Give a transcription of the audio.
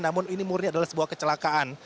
namun ini murni adalah sebuah kecelakaan